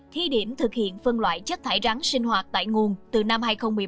thi điểm thực hiện phân loại chất thải rắn sinh hoạt tại nguồn từ năm hai nghìn một mươi bảy